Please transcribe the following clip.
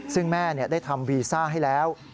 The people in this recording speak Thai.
ซึ่งแม่ได้ทำวีซ่าให้แล้ว